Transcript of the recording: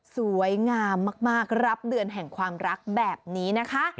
สวยงามมากรับเดือนแห่งความรักแบบนี้นะคะ